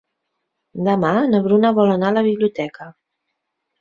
Demà na Bruna vol anar a la biblioteca.